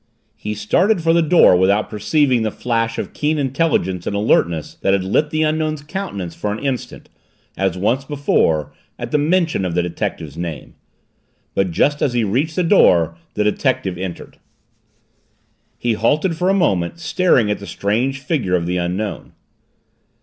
He started for the door without perceiving the flash of keen intelligence and alertness that had lit the Unknown's countenance for an instant, as once before, at the mention of the detective's name. But just as he reached the door the detective entered. He halted for a moment, staring at the strange figure of the Unknown.